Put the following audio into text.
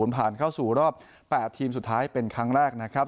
ผ่านเข้าสู่รอบ๘ทีมสุดท้ายเป็นครั้งแรกนะครับ